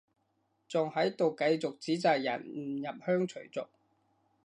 仲喺度繼續指責人唔入鄉隨俗